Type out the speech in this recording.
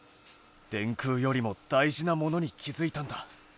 電空よりも大じなものに気づいたんだ。